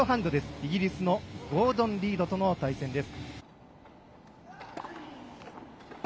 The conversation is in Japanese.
イギリスのゴードン・リードとの対戦です。